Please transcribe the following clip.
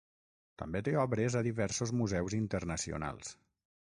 També té obres a diversos museus internacionals.